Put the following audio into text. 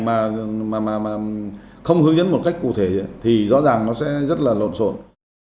mà không hướng dẫn một cách cụ thể thì rõ ràng nó sẽ rất là lộn xộn